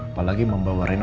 apalagi membawa rina